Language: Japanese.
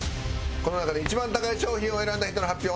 この中で一番高い商品を選んだ人の発表